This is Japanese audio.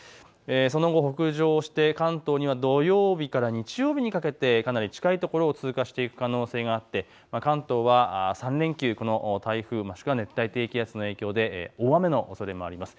その後北上して関東には土曜日から日曜日にかけてかなり近い所を通過していく可能性があって、関東は３連休、この台風もしくは熱帯低気圧の影響で大雨のおそれがあります。